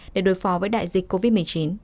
để đối phó với đại dịch covid một mươi chín